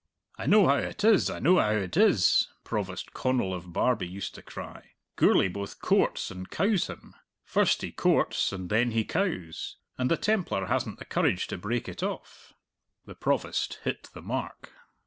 "I know how it is, I know how it is!" Provost Connal of Barbie used to cry; "Gourlay both courts and cowes him first he courts and then he cowes and the Templar hasn't the courage to break it off!" The Provost hit the mark.